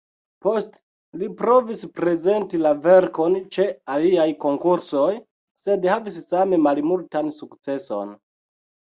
Poste li provis prezenti la verkon ĉe aliaj konkursoj, sed havis same malmultan sukceson.